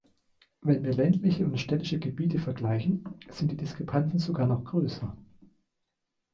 Wenn wir ländliche und städtische Gebiete vergleichen, sind die Diskrepanzen sogar noch größer.